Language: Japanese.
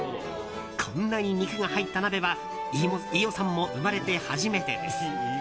こんなに肉が入った鍋は飯尾さんも生まれて初めてです。